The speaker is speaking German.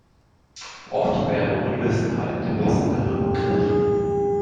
Oft wäre Unwissenheit der passendere Begriff.